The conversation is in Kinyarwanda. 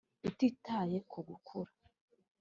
utitaye ku gukura,